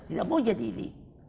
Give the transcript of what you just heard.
tidak mau jadi ini